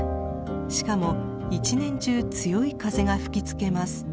しかも一年中強い風が吹きつけます。